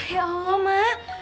ya allah ma